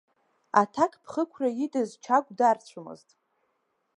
Аҭакԥхықәра идыз Чагә дарцәомызт.